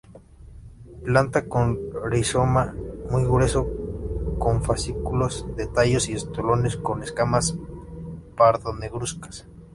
Planta con rizoma muy grueso con fascículos de tallos y estolones con escamas pardo-negruzcas.